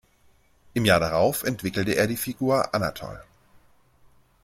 Im Jahr darauf entwickelte er die Figur Anatol.